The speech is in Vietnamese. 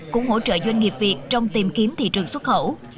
cũng hỗ trợ doanh nghiệp việt trong tìm kiếm thị trường xuất khẩu